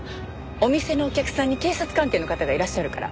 お店のお客さんに警察関係の方がいらっしゃるから。